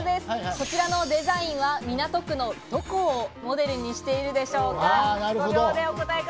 こちらのデザインは港区のどこモデルにしているでしょうか？